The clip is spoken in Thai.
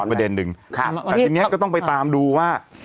ข้าเมื่อกี้ต้องไปตามดูว่า